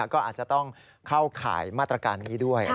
ก็อาจจะต้องเข้าข่ายมาตรการนี้ด้วย